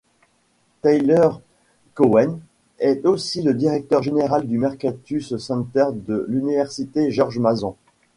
Tyler Cowen est aussi le directeur général du Mercatus Center à l'université George Mason.